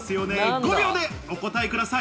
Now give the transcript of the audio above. ５秒でお答えください。